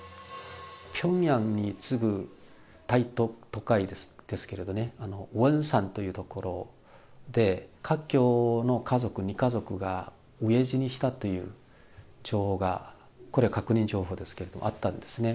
ピョンヤンに次ぐ大都会ですけれどもね、ウォンサンという所で、華僑の家族、２家族が飢え死にしたという情報が、これ、確認情報ですけれども、あったんですね。